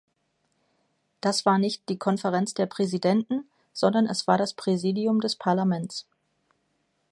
Das war nicht die Konferenz der Präsidenten, sondern es war das Präsidium des Parlaments.